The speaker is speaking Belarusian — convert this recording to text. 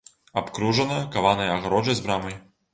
Абкружана каванай агароджай з брамай.